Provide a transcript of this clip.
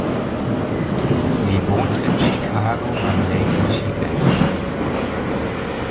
Sie wohnt in Chicago am Lake Michigan.